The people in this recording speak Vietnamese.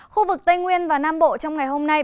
khu vực tây nguyên và nam bộ trong ngày hôm nay